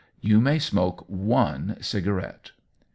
" You may smoke one cigarette."